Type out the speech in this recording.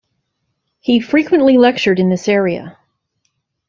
He frequently lectured in this area.